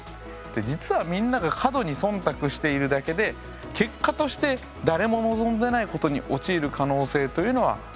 実はみんなが過度に忖度しているだけで結果として誰も望んでないことに陥る可能性というのはありますよ。